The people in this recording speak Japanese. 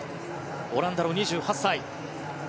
オランダの２８歳。